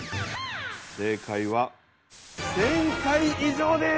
正かいは１，０００回以上です！